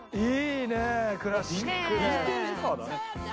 ビンテージカーだね。